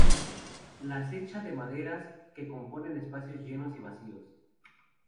Las Hecha de maderas que componen espacios llenos y vacíos.